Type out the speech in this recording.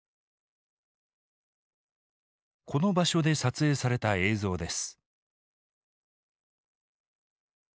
この場所で撮影された映像です。